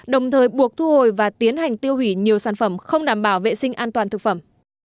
đồng thời buộc thu hồi và tiến hành tiêu hủy nhiều sản phẩm không đảm bảo vệ sinh an toàn thực phẩm